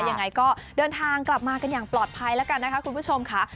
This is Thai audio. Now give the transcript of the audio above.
ยังไงก็เดินทางกลับมากันอย่างปลอดภัยแล้วกันนะคะคุณผู้ชมค่ะ